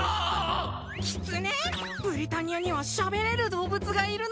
ブリタニアにはしゃべれる動物がいるのか！